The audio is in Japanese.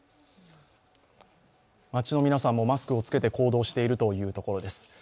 街の皆さんもマスクを着けて行動しているところです。